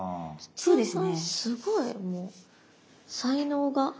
そうですね。